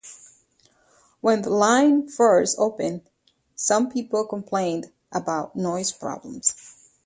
When the line first opened, some people complained about noise problems.